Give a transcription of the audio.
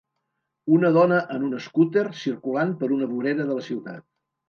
Una dona en un escúter circulant per una vorera de la ciutat.